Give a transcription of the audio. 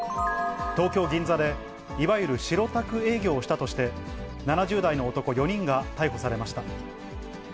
東京・銀座でいわゆる白タク営業をしたとして、７０代の男４人が逮捕されました。